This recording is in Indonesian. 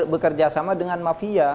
bekerja sama dengan mafia